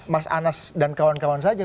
mas anas dan kawan kawan saja